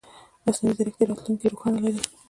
مصنوعي ځیرکتیا راتلونکې روښانه لري.